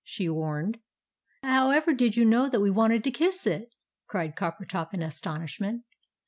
she warned. "However did you know that we wanted to kiss it?" cried Coppertop in astonishment.